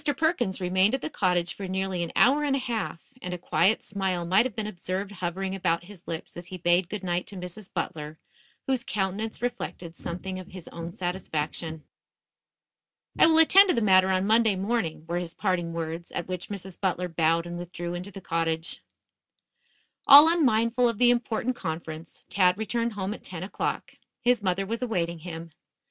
Perkins remained at the cottage for nearly an hour and a half, and a quiet smile might have been observed hovering about his lips as he bade good night to Mrs. Butler, whose countenance reflected something of his own satisfaction. "I will attend to the matter on Monday morning," were his parting words, at which Mrs. Butler bowed and withdrew into the cottage. All unmindful of the important conference, Tad returned home at ten o'clock. His mother was awaiting him.